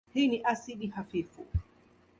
Hii ni asidi hafifu.